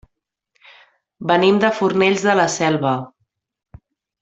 Venim de Fornells de la Selva.